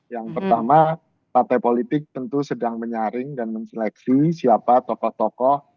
yang pertama partai politik tentu sedang menyaring dan menseleksi siapa tokoh tokoh